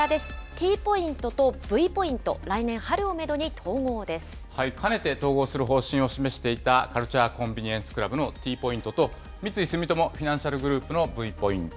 ＴポイントとＶポイント、来年春かねて統合する方針を示していた、カルチュア・コンビニエンス・クラブのＴポイントと、三井住友フィナンシャルグループのＶポイント。